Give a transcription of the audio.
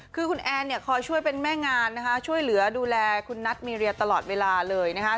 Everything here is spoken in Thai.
คือคุณแอนเนี่ยคอยช่วยเป็นแม่งานนะคะช่วยเหลือดูแลคุณนัทมีเรียตลอดเวลาเลยนะคะ